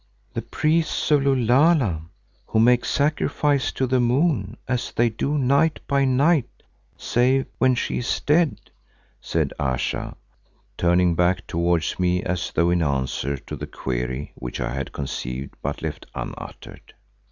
"The priests of Lulala who make sacrifice to the moon, as they do night by night, save when she is dead," said Ayesha, turning back towards me as though in answer to the query which I had conceived but left unuttered.